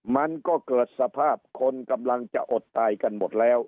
มันก็เกิดสภาพคนกำลังจะอดตายกันหมดแล้ว